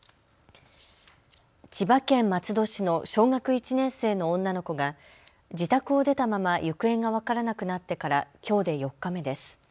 千葉県松戸市の小学１年生の女の子が自宅を出たまま行方が分からなくなってからきょうで４日目です。